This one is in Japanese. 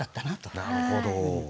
なるほど。